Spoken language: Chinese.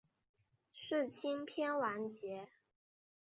世青篇完结。